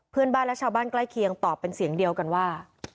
เพื่อนบ้านและชาวบ้านใกล้เคียงตอบเป็นเสียงเดียวกันว่า